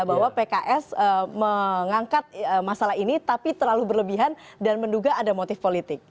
bahwa pks mengangkat masalah ini tapi terlalu berlebihan dan menduga ada motif politik